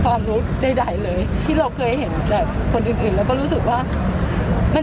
ทำงานครบ๒๐ปีได้เงินชดเฉยเลิกจ้างไม่น้อยกว่า๔๐๐วัน